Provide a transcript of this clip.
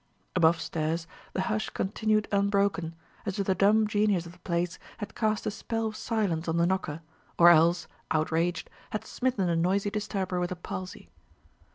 Above stairs the hush continued unbroken; as if the dumb Genius of the Place had cast a spell of silence on the knocker, or else, outraged, had smitten the noisy disturber with a palsy.